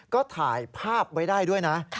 ก็ถ่ายภาพไว้ได้ด้วยนะ